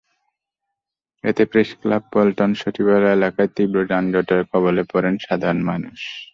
এতে প্রেসক্লাব, পল্টন, সচিবালয় এলাকায় তীব্র যানজটের কবলে পড়েন সাধারণ মানুষ।